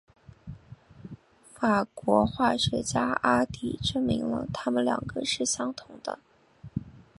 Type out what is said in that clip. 法国化学家阿迪证明了它们两个是相同的。